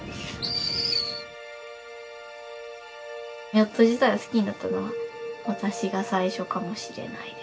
ヨット自体を好きになったのは私が最初かもしれないですね。